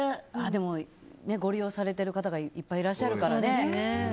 でも、ご利用されてる方がいっぱいいらっしゃるからね。